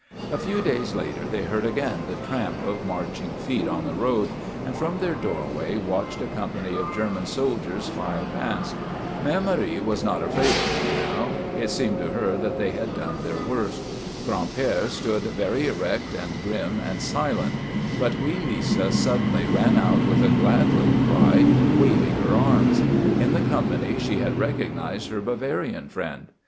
A few days later they heard again the tramp of marching feet on the road, and from their doorway watched a company of German soldiers file past. Mère Marie was not afraid of them now; it seemed to her that they had done their worst. Gran'père stood very erect and grim and silent, but wee Lisa suddenly ran out with a glad little cry, waving her arms. In the company she had recognized her Bavarian friend.